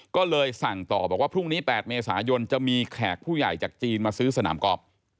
ก็เลยสั่งต่อบอกว่าพรุ่งนี้๘เมษายนจะมีแขกผู้ใหญ่จากจีนมาซื้อสนามกอล์ฟ